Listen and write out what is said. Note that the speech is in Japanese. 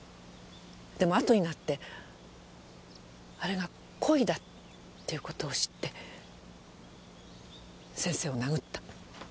でも後になってあれが恋だっていう事を知って先生を殴った。